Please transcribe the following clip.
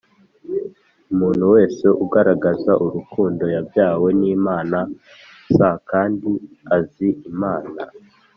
umuntu wese ugaragaza urukundo yabyawe n Imana s kandi azi Imana